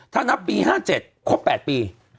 ถ้านับปี๕๗ครบ๘ปี